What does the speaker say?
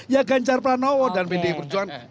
ya ganjar pranowo dan pdi perjuangan